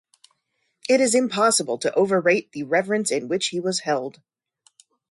It is impossible to overrate the reverence in which he was held.